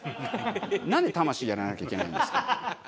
なんで魂やらなきゃいけないんですか。